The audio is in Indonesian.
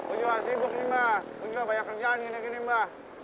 udah udah udah banyak kerjaan gini gini mba